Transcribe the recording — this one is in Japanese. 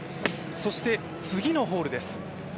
そして次のホールです。